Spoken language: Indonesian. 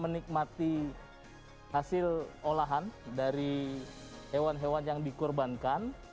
menikmati hasil olahan dari hewan hewan yang dikorbankan